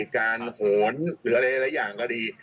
การโหนหรืออะไรหลายอย่างก็ดี